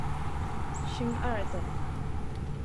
勋二等。